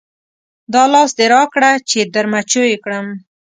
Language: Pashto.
دا لاس دې راکړه چې در مچو یې کړم.